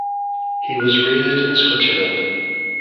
He was raised in Switzerland.